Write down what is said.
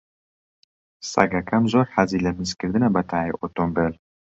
سەگەکەم زۆر حەزی لە میزکردنە بە تایەی ئۆتۆمۆبیل.